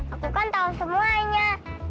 aku kan tahu semuanya